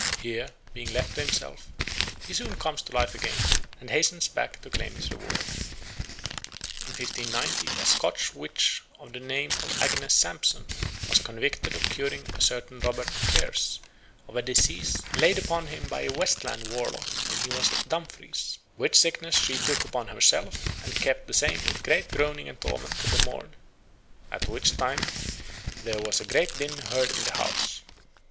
Here, being left to himself, he soon comes to life again, and hastens back to claim his reward. In 1590 a Scotch which of the name of Agnes Sampson was convicted of curing a certain Robert Kers of a disease "laid upon him by a westland warlock when he was at Dumfries, whilk sickness she took upon herself, and kept the same with great groaning and torment till the morn, at whilk time there was a great din heard in the house."